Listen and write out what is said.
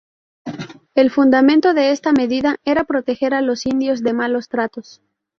El fundamento de esta medida era proteger a los indios de malos tratos.